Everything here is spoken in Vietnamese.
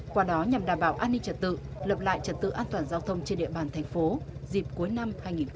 qua đó nhằm đảm bảo an ninh trật tự lập lại trật tự an toàn giao thông trên địa bàn thành phố dịp cuối năm hai nghìn hai mươi ba